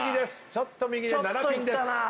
ちょっと右で７ピンです。